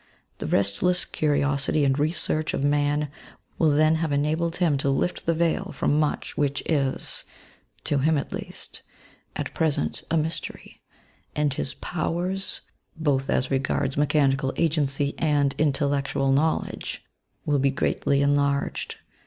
The restless curiosity and research of man will then have enabled him to lift the .veil from much which is (to him at least) at present a mystery ; and his powers (both as regards mechanical agency and intel lectual knowledge) will be greatly enlarged.